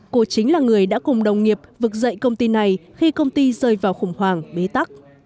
cô chính là người đã cùng đồng nghiệp vực dậy công ty này khi công ty rơi vào khủng hoảng bế tắc